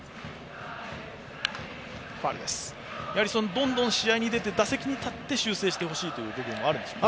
どんどん試合に出て打席に立って修正してほしいという部分があるんでしょうか。